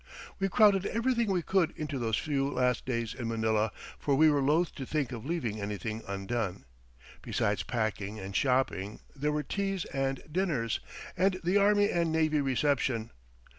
We crowded everything we could into those few last days in Manila, for we were loath to think of leaving anything undone. Besides packing and shopping, there were teas and dinners, and the army and navy reception.